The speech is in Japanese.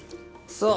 そう。